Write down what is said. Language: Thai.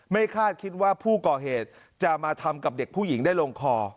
คาดคิดว่าผู้ก่อเหตุจะมาทำกับเด็กผู้หญิงได้ลงคอ